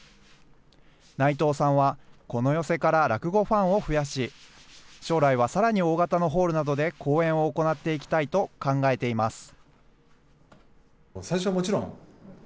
内藤さんはこの寄席から落語ファンを増やし、将来はさらに大型のホールなどで公演を行っていきたいと考えています。